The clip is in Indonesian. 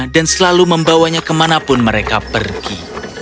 dan selalu membawanya kemanapun mereka pergi